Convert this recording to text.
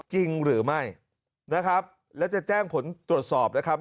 จริงหรือไม่นะครับแล้วจะแจ้งผลตรวจสอบนะครับ